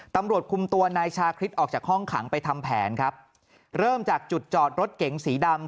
ตำรวจคุมตัวนายชาคริสออกจากห้องขังไปทำแผนครับเริ่มจากจุดจอดรถเก๋งสีดำ